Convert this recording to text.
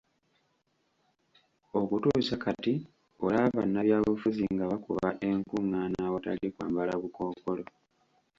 Okutuusa kati olaba bannabyabufuzi nga bakuba enkung'aana awatali kwambala bukookolo.